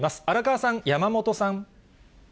荒川さん、山本さん。